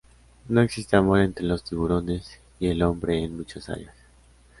No existe amor entre los tiburones y el hombre en muchas áreas.